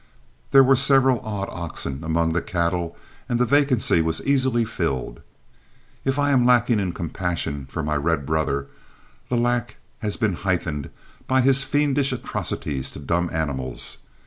There were several odd oxen among the cattle and the vacancy was easily filled. If I am lacking in compassion for my red brother, the lack has been heightened by his fiendish atrocities to dumb animals.